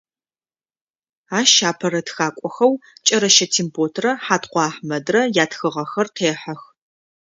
Ащ апэрэ тхакӏохэу Кӏэрэщэ Темботрэ Хьаткъо Ахьмэдрэ ятхыгъэхэр къехьэх.